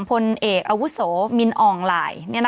พลเอกอวุศโศมินอองไหล่